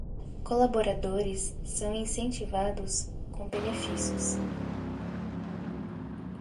Colaboradores são incentivados com benefícios